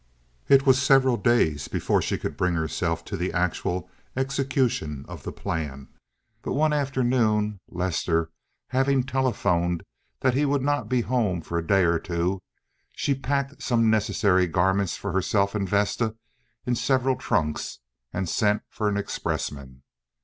It was several days before she could bring herself to the actual execution of the plan, but one afternoon, Lester, having telephoned that he would not be home for a day or two, she packed some necessary garments for herself and Vesta in several trunks, and sent for an expressman.